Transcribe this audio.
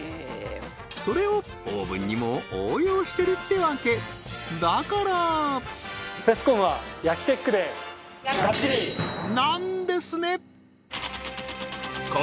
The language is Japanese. それをオーブンにも応用してるってわけだからなんですね！